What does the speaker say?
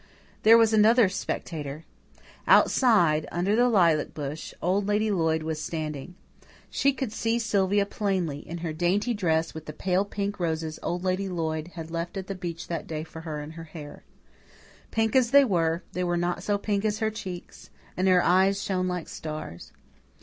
There was another spectator. Outside, under the lilac bush, Old Lady Lloyd was standing. She could see Sylvia plainly, in her dainty dress, with the pale pink roses Old Lady Lloyd had left at the beech that day for her in her hair. Pink as they were, they were not so pink as her cheeks, and her eyes shone like stars.